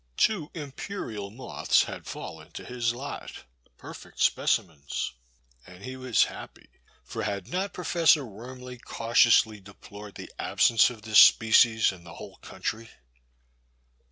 Two Imperial*' moths had fallen to his lot, perfect specimens, and he was happy, for had not Professor Wormly cautiously deplored the absence of this species in the whole country